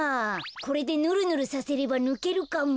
これでぬるぬるさせればぬけるかも。